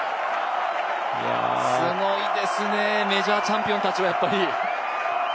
すごいですね、メジャーチャンピオンたちはやっぱり。